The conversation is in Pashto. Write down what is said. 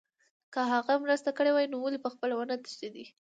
که هغه مرسته کړې وای نو ولې پخپله ونه تښتېد